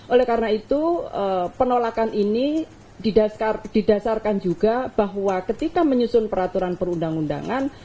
oleh karena itu penolakan ini didasarkan juga bahwa ketika menyusun peraturan perundang undangan